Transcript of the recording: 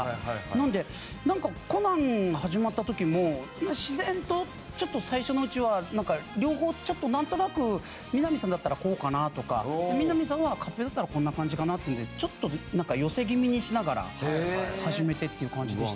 なのでなんか『コナン』始まった時も自然とちょっと最初のうちはなんか両方なんとなくみなみさんだったらこうかな？とかみなみさんは勝平だったらこんな感じかな？っていうんでちょっとなんか寄せ気味にしながら始めてっていう感じでしたね。